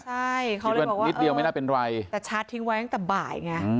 ใช่เขาเลยบอกว่าแต่ชาร์จทิ้งไว้ตั้งแต่บ่ายไง